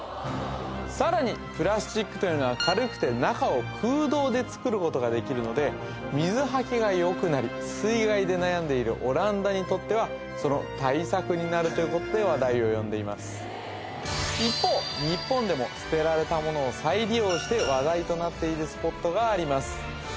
さらにプラスチックというのは軽くて中を空洞でつくることができるので水はけがよくなり水害で悩んでいるオランダにとってはその対策になるということで話題をよんでいます一方日本でも捨てられたものを再利用して話題となっているスポットがあります